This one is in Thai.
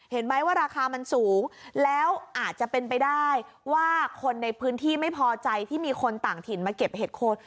เห็นไหมว่าราคามันสูงแล้วอาจจะเป็นไปได้ว่าคนในพื้นที่ไม่พอใจที่มีคนต่างถิ่นมาเก็บเห็ดโคน